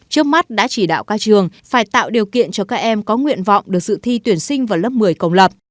trước mắt đã chỉ đạo các trường phải tạo điều kiện cho các em có nguyện vọng được dự thi tuyển sinh vào lớp một mươi công lập